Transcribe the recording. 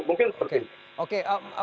mungkin seperti itu